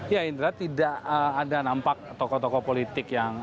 ya indra tidak ada nampak tokoh tokoh politik yang